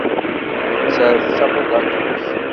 Nettat d tabugaṭut.